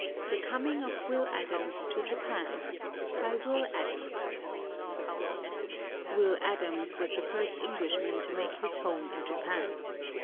THE COMING OF WILL ADAMS TO JAPAN [Will Adams was the first Englishman to make his home in Japan.